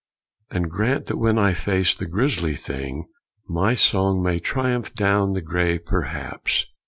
And grant that when I face the grisly Thing, My song may triumph down the gray Perhaps!